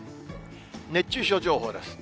熱中症情報です。